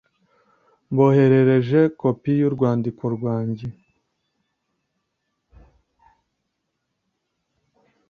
Mboherereje kopi y'urwandiko rwanjye.